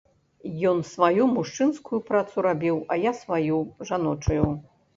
Ён сваю, мужчынскую, працу рабіў, а я сваю, жаночую.